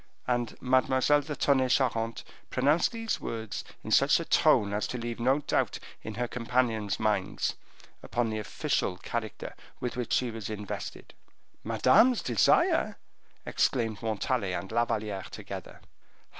And Mademoiselle de Tonnay Charente pronounced these words in such a tone as to leave no doubt, in her companion's minds, upon the official character with which she was invested. "Madame's desire!" exclaimed Montalais and La Valliere together.